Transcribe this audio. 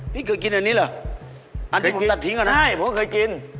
พี่เคยกินอันนี้เหรออันนี้ตัดทิ้งก่อนให้ผมเคยกิน